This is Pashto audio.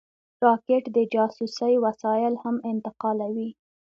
راکټ د جاسوسۍ وسایل هم انتقالوي